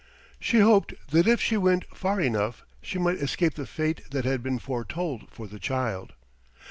She hoped that if she went far enough she might escape the fate that had been foretold for the child.